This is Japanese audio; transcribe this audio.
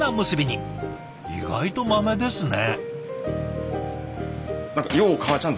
意外とマメですね。